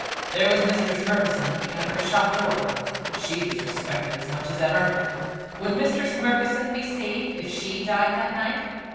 There was Mistress Murkison looking out of her shop door! She was respected as much as ever! Would Mistress Murkison be saved if she died that night?